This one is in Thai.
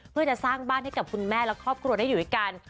เพื่อจะสร้างบ้านให้กับคุณแม่และครอบครัวได้อยู่ด้วยกัน